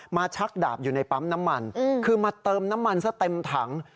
ชักดาบอยู่ในปั๊มน้ำมันคือมาเติมน้ำมันซะเต็มถัง